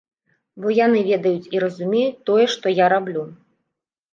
Бо яны ведаюць і разумеюць тое, што я раблю.